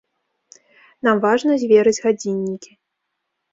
Нам важна зверыць гадзіннікі.